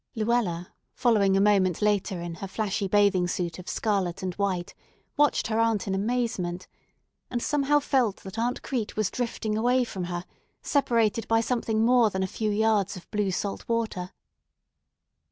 Luella, following a moment later in her flashy bathing suit of scarlet and white, watched her aunt in amazement, and somehow felt that Aunt Crete was drifting away from her, separated by something more than a few yards of blue salt water.